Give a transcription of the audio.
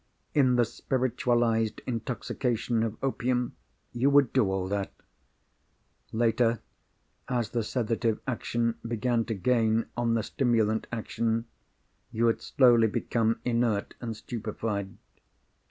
In the spiritualised intoxication of opium, you would do all that. Later, as the sedative action began to gain on the stimulant action, you would slowly become inert and stupefied.